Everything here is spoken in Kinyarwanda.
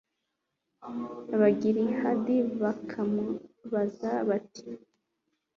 abagilihadi bakamubaza bati